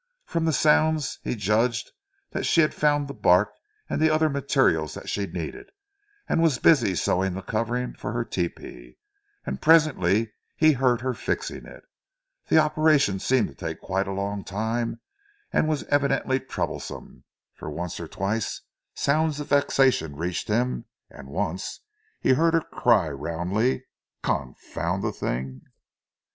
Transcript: From the sounds he judged that she had found the bark and the other materials that she needed, and was busy sewing the covering for her tepee, and presently he heard her fixing it. The operation seemed to take quite a long time and was evidently troublesome, for once or twice sounds of vexation reached him and once he heard her cry roundly: "Confound the thing!"